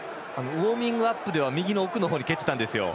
ウォーミングアップでは右の奥の方に蹴っていたんですよ。